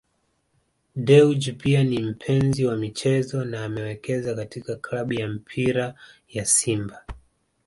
Dewji pia ni mpenzi wa michezo na amewekeza katika klabu ya mpira ya Simba